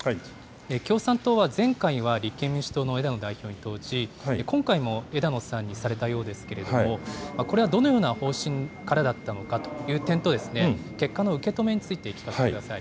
共産党は前回は立憲民主党の枝野代表に投じ、今回も枝野さんにされたようですけれども、これはどのような方針からだったのかという点と、結果の受け止めについて聞かせてください。